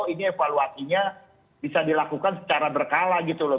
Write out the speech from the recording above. ini evaluasinya bisa dilakukan secara berkala gitu loh